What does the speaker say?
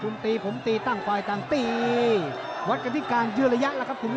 มีผลหรือเปล่า